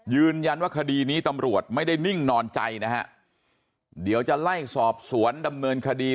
ยืนยันว่าคดีนี้ตำรวจไม่ได้นิ่งนอนใจนะฮะเดี๋ยวจะไล่สอบสวนดำเนินคดี